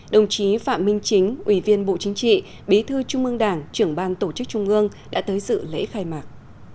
đồng chí phạm minh chính ủy viên bộ chính trị bí thư trung ương đảng trưởng ban tổ chức trung ương đã tới dự lễ khai mạc